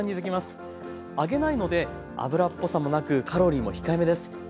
揚げないので油っぽさもなくカロリーも控えめです。